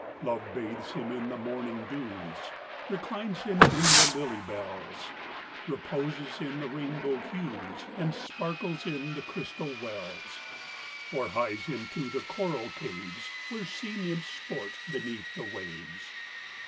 Love bathes him in the morning dews, Reclines him in the lily bells, Reposes in the rainbow hues, And sparkles in the crystal wells, Or hies him to the coral caves, Where sea nymphs sport beneath the waves.